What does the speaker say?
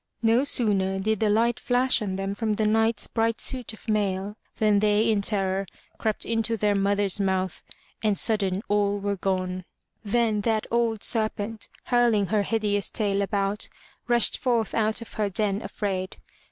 No sooner did the light flash on them from the Knight's bright suit of mail than they in terror crept into their mother's mouth and sudden all were gone. Then that old serpent, hurling her hideous tail about, rushed forth out of her den afraid.